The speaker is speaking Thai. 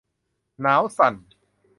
หนาวสั่น